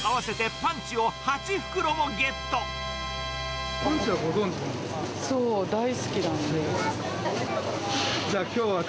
パンチはご存じなんですか？